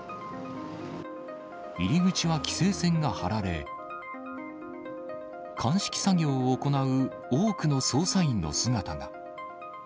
入り口は規制線が張られ、鑑識作業を行う多くの捜査員の姿が。